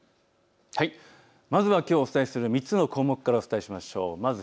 まずはきょうお伝えする３つの項目からお伝えしましょう。